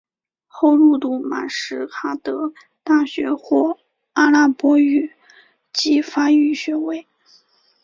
后入读马什哈德大学获阿拉伯语及法语学位。